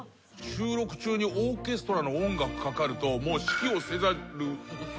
収録中にオーケストラの音楽かかると指揮をせざるを得ない。